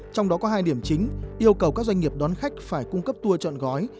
trong đó có hai điểm chính yêu cầu các doanh nghiệp đón khách phải cung cấp tua trọn gói